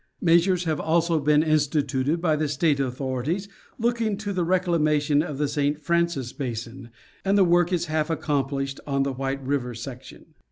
Measures have also been instituted by the State authorities looking to the reclamation of the St. Francis basin ; and the work is half ac complished on the White river section.